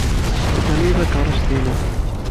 Ukren-iyi takeṛṛust-inu.